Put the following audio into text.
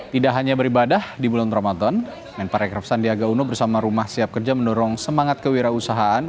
tidak hanya beribadah di bulan ramadan menparekraf sandiaga uno bersama rumah siap kerja mendorong semangat kewirausahaan